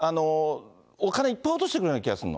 お金いっぱい落としてくれるような気がするの。